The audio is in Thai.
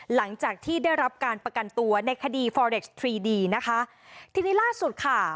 หลังจากที่ได้รับการประกันตัวในคดีฟอเร็กซ์ทรีดีนะคะทีนี้ล่าสุดค่ะ